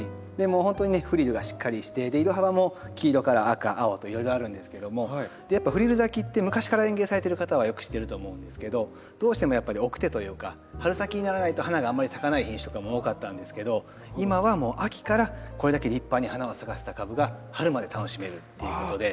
もうほんとにねフリルがしっかりして色幅も黄色から赤青といろいろあるんですけどもやっぱフリル咲きって昔から園芸されている方はよく知っていると思うんですけどどうしてもやっぱり晩生というか春先にならないと花があんまり咲かない品種とかも多かったんですけど今はもう秋からこれだけ立派に花を咲かせた株が春まで楽しめるっていうことで。